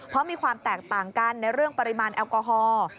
เพราะมีความแตกต่างกันในเรื่องปริมาณแอลกอฮอล์